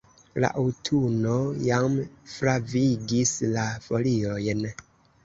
La aŭtuno jam flavigis la foliojn.